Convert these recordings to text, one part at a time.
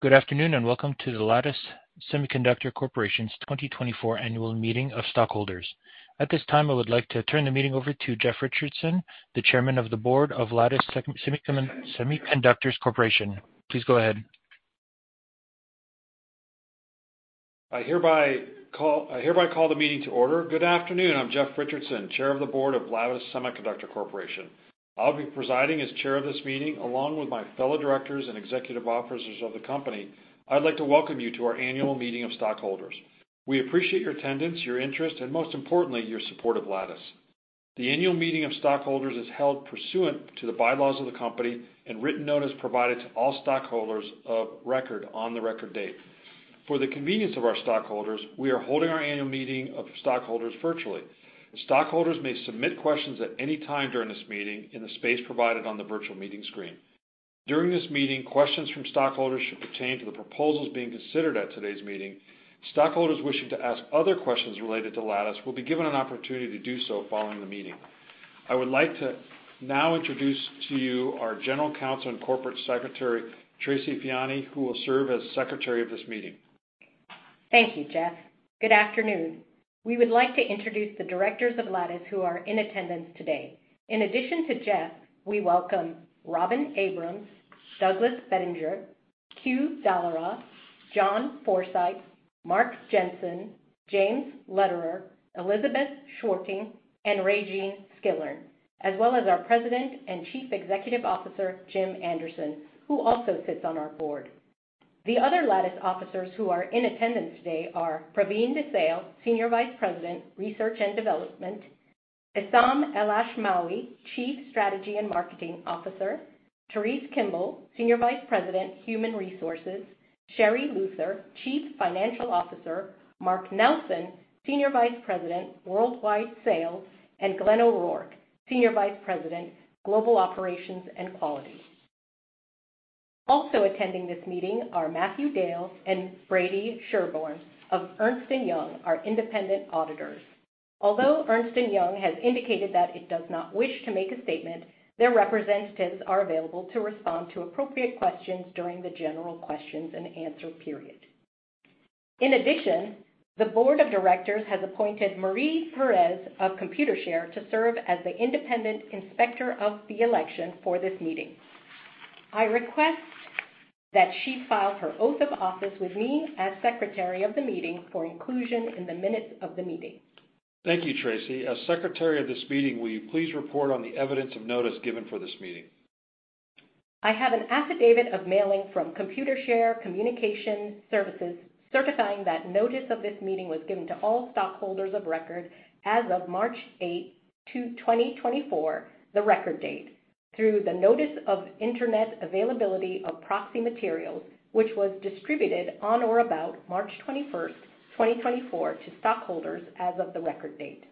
Good afternoon and welcome to the Lattice Semiconductor Corporation's 2024 annual meeting of stockholders. At this time, I would like to turn the meeting over to Jeff Richardson, the Chairman of the Board of Lattice Semiconductor Corporation. Please go ahead. I hereby call the meeting to order. Good afternoon. I'm Jeff Richardson, Chair of the Board of Lattice Semiconductor Corporation. I'll be presiding as chair of this meeting along with my fellow directors and executive officers of the company. I'd like to welcome you to our annual meeting of stockholders. We appreciate your attendance, your interest, and most importantly, your support of Lattice. The annual meeting of stockholders is held pursuant to the bylaws of the company and written notice provided to all stockholders of record on the record date. For the convenience of our stockholders, we are holding our annual meeting of stockholders virtually. Stockholders may submit questions at any time during this meeting in the space provided on the virtual meeting screen. During this meeting, questions from stockholders should pertain to the proposals being considered at today's meeting. Stockholders wishing to ask other questions related to Lattice will be given an opportunity to do so following the meeting. I would like to now introduce to you our General Counsel and Corporate Secretary, Tracy Feanny, who will serve as secretary of this meeting. Thank you, Jeff. Good afternoon. We would like to introduce the directors of Lattice who are in attendance today. In addition to Jeff, we welcome Robin Abrams, Douglas Bettinger, Que Thanh Dallara, John Forsyth, Mark Jensen, James Lederer, Elizabeth Schwarting, and Raejeanne Skillern, as well as our President and Chief Executive Officer, Jim Anderson, who also sits on our board. The other Lattice officers who are in attendance today are Pravin Desale, Senior Vice President, Research and Development; Esam Elashmawi, Chief Strategy and Marketing Officer; Terese Kemble, Senior Vice President, Human Resources; Sherri Luther, Chief Financial Officer; Mark Nelson, Senior Vice President, Worldwide Sales; and Glenn O'Rourke, Senior Vice President, Global Operations and Quality. Also attending this meeting are Matthew Dale and Brady Sherburne of Ernst & Young, our independent auditors. Although Ernst & Young has indicated that it does not wish to make a statement, their representatives are available to respond to appropriate questions during the general questions and answer period. In addition, the board of directors has appointed Marie Perez of Computershare to serve as the independent inspector of the election for this meeting. I request that she file her oath of office with me as secretary of the meeting for inclusion in the minutes of the meeting. Thank you, Tracy. As secretary of this meeting, will you please report on the evidence of notice given for this meeting? I have an affidavit of mailing from Computershare Communication Services certifying that notice of this meeting was given to all stockholders of record as of March 8th, 2024, the record date, through the notice of internet availability of proxy materials, which was distributed on or about March 21st, 2024, to stockholders as of the record date.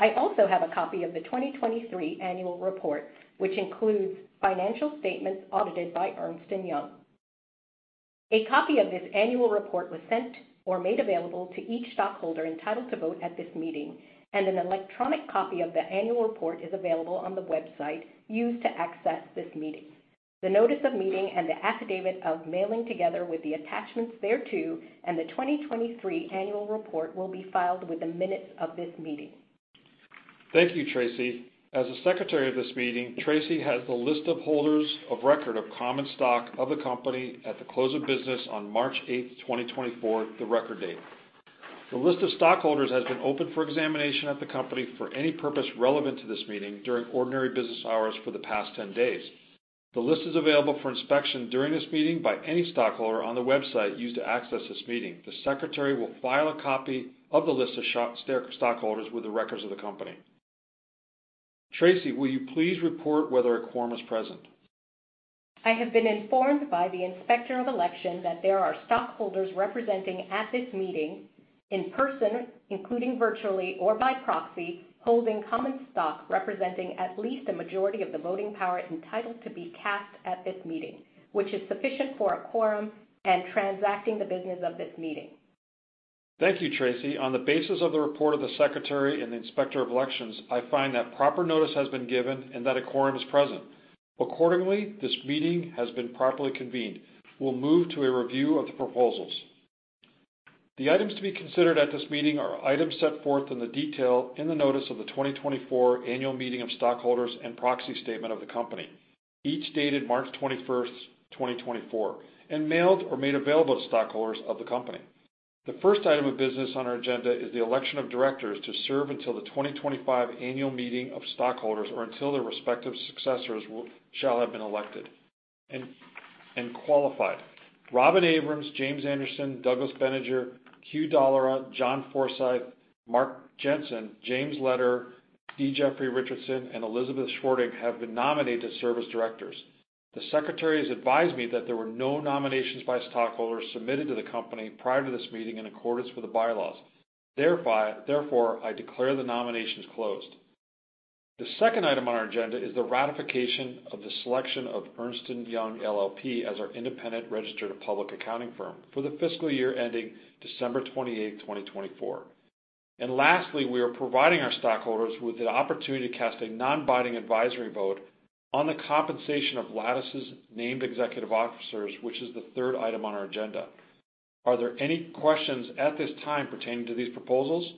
I also have a copy of the 2023 annual report, which includes financial statements audited by Ernst & Young. A copy of this annual report was sent or made available to each stockholder entitled to vote at this meeting, and an electronic copy of the annual report is available on the website used to access this meeting. The notice of meeting and the affidavit of mailing together with the attachments thereto, and the 2023 annual report, will be filed with the minutes of this meeting. Thank you, Tracy. As secretary of this meeting, Tracy has the list of holders of record of common stock of the company at the close of business on March 8th, 2024, the record date. The list of stockholders has been open for examination at the company for any purpose relevant to this meeting during ordinary business hours for the past 10 days. The list is available for inspection during this meeting by any stockholder on the website used to access this meeting. The secretary will file a copy of the list of stockholders with the records of the company. Tracy, will you please report whether a quorum is present? I have been informed by the Inspector of Election that there are stockholders representing at this meeting, in person, including virtually or by proxy, holding common stock representing at least a majority of the voting power entitled to be cast at this meeting, which is sufficient for a quorum and transacting the business of this meeting. Thank you, Tracy. On the basis of the report of the secretary and the inspector of elections, I find that proper notice has been given and that a quorum is present. Accordingly, this meeting has been properly convened. We'll move to a review of the proposals. The items to be considered at this meeting are items set forth in detail in the notice of the 2024 annual meeting of stockholders and proxy statement of the company, each dated March 21st, 2024, and mailed or made available to stockholders of the company. The first item of business on our agenda is the election of directors to serve until the 2025 annual meeting of stockholders or until their respective successors shall have been elected and qualified. Robin Abrams, James Anderson, Douglas Bettinger, Que Dallara, John Forsyth, Mark Jensen, James Lederer, Jeffrey Richardson, and Elizabeth Schwarting have been nominated to serve as directors. The secretary has advised me that there were no nominations by stockholders submitted to the company prior to this meeting in accordance with the bylaws. Therefore, I declare the nominations closed. The second item on our agenda is the ratification of the selection of Ernst & Young LLP as our independent registered public accounting firm for the fiscal year ending December 28th, 2024. Lastly, we are providing our stockholders with an opportunity to cast a non-binding advisory vote on the compensation of Lattice's named executive officers, which is the third item on our agenda. Are there any questions at this time pertaining to these proposals?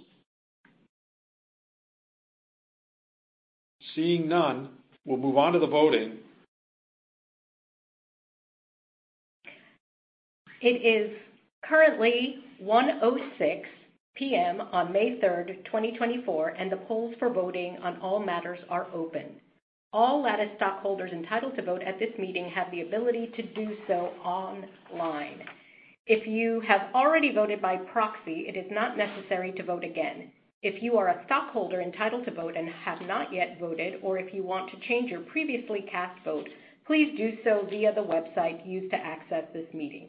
Seeing none, we'll move on to the voting. It is currently 1:06 P.M. on May 3rd, 2024, and the polls for voting on all matters are open. All Lattice stockholders entitled to vote at this meeting have the ability to do so online. If you have already voted by proxy, it is not necessary to vote again. If you are a stockholder entitled to vote and have not yet voted, or if you want to change your previously cast vote, please do so via the website used to access this meeting.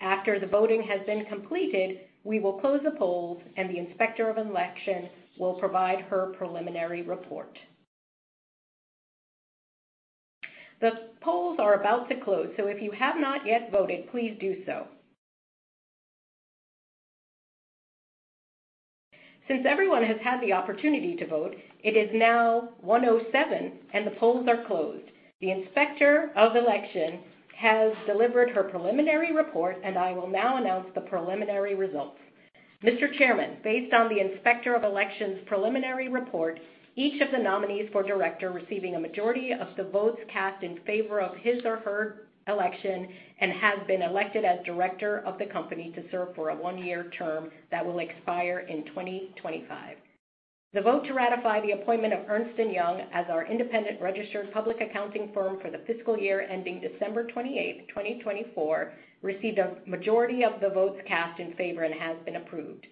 After the voting has been completed, we will close the polls, and the inspector of election will provide her preliminary report. The polls are about to close, so if you have not yet voted, please do so. Since everyone has had the opportunity to vote, it is now 1:07 P.M., and the polls are closed. The Inspector of Election has delivered her preliminary report, and I will now announce the preliminary results. Mr. Chairman, based on the Inspector of Election's preliminary report, each of the nominees for director receiving a majority of the votes cast in favor of his or her election and has been elected as director of the company to serve for a one-year term that will expire in 2025. The vote to ratify the appointment of Ernst & Young as our independent registered public accounting firm for the fiscal year ending December 28th, 2024, received a majority of the votes cast in favor and has been approved.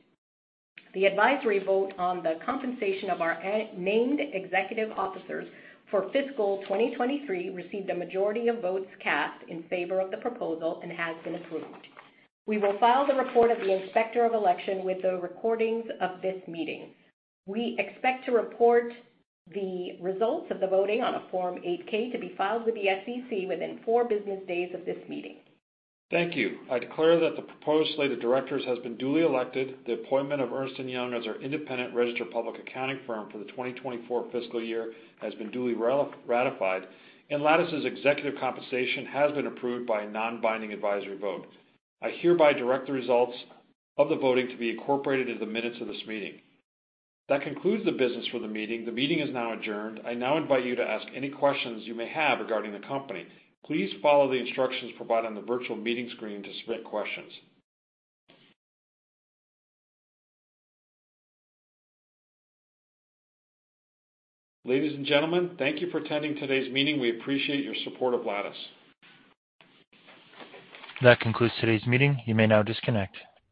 The advisory vote on the compensation of our named executive officers for fiscal 2023 received a majority of votes cast in favor of the proposal and has been approved. We will file the report of the Inspector of Election with the recordings of this meeting. We expect to report the results of the voting on a Form 8-K to be filed with the SEC within four business days of this meeting. Thank you. I declare that the proposed slate of directors has been duly elected, the appointment of Ernst & Young as our independent registered public accounting firm for the 2024 fiscal year has been duly ratified, and Lattice's executive compensation has been approved by a non-binding advisory vote. I hereby direct the results of the voting to be incorporated into the minutes of this meeting. That concludes the business for the meeting. The meeting is now adjourned. I now invite you to ask any questions you may have regarding the company. Please follow the instructions provided on the virtual meeting screen to submit questions. Ladies and gentlemen, thank you for attending today's meeting. We appreciate your support of Lattice. That concludes today's meeting. You may now disconnect.